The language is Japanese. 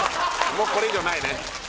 もうこれ以上ないね